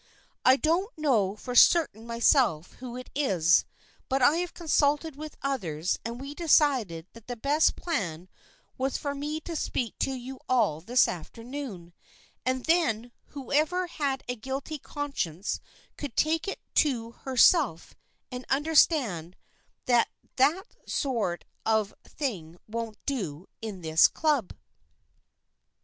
I don't know for certain myself who it is, but I have consulted with others and we decided that the best plan was for me to speak to you all this afternoon, and then whoever had a guilty conscience could take it to herself and understand that that sort of thing won't do in this Club."